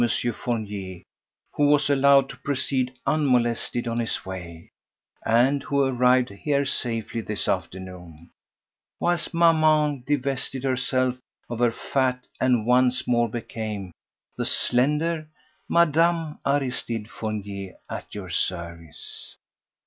Fournier, who was allowed to proceed unmolested on his way, and who arrived here safely this afternoon, whilst Maman divested herself of her fat and once more became the slender Mme. Aristide Fournier, at your service."